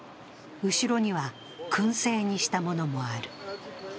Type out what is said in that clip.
後ろにはくん製にしたものもある。